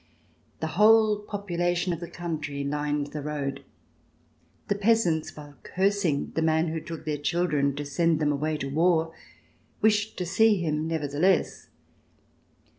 The whole population of the country lined the road; the peasants, while cursing the man who took their children to send them away to war, wished to see him nevertheless.